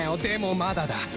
でもまだだ！